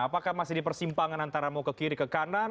apakah masih di persimpangan antara mau ke kiri ke kanan